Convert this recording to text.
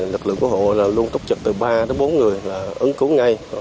lực lượng cứu hộ luôn túc trực từ ba đến bốn người ứng cứu ngay